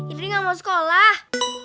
idri gak mau sekolah